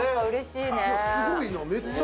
うれしい。